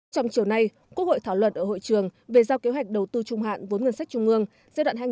trong chiều nay quốc hội thảo luận ở hội trường về giao kế hoạch đầu tư trung hạn vốn ngân sách trung ương